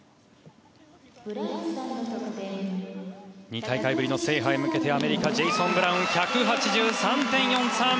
２大会ぶりの制覇へ向けてアメリカ、ジェイソン・ブラウン１８３．４３。